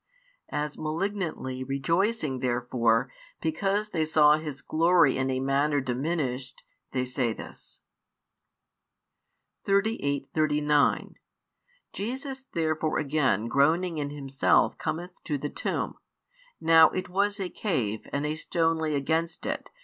As malignantly rejoicing therefore, because they saw His glory in a manner diminished, they say this. 38, 39 Jesus therefore again groaning in Himself cometh to the tomb. Now it was a cave, and a stone lay against it.